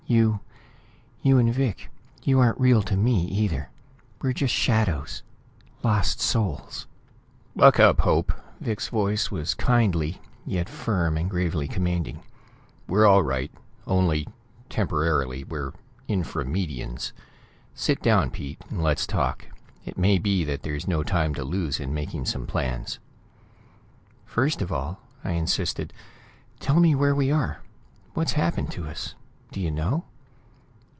You you and Vic you aren't real to me, either! We're just shadows lost souls...." "Buck up, Hope!" Vic's voice was kindly, yet firm and gravely commanding. "We're all right. Only temporarily we're Infra Medians. Sit down, Pete, and let's talk. It may be that there's no time to lose in making some plans." "First of all," I insisted, "tell me where we are; what's happened to us. Do you know?"